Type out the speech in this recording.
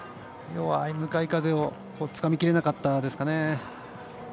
向かい風をつかみきれなかったですかね。